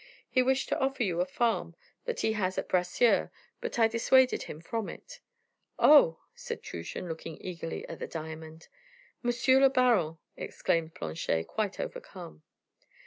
He wished to offer you a farm that he has at Bracieux, but I dissuaded him from it." "Oh!" said Truchen, looking eagerly at the diamond. "Monsieur le baron!" exclaimed Planchet, quite overcome.